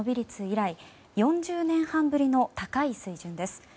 以来４０年半ぶりの高い水準です。